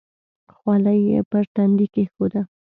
خولۍ یې پر تندي کېښوده.